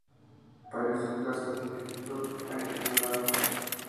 Parece que la solicitud fue ignorada.